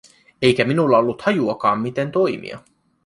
Eikä minulla ollut hajuakaan, miten toimia.